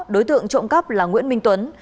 đối tượng trộm cắp là nguyễn minh tuấn